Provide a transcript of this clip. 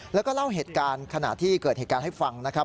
แล้วก็เล่าเหตุการณ์ขณะที่เกิดเหตุการณ์ให้ฟังนะครับ